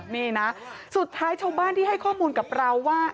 นี่นะสุดท้ายชาวบ้านที่ให้ข้อมูลกับเราว่า